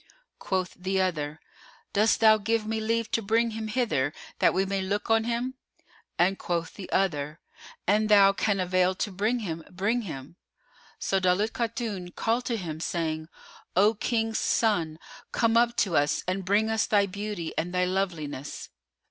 Quoth the other, "Dost thou give me leave to bring him hither, that we may look on him?"; and quoth the other, "An thou can avail to bring him, bring him." So Daulat Khatun called to him, saying "O King's son, come up to us and bring us thy beauty and thy loveliness!"